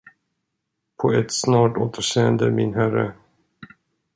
På ett snart återseende, min herre!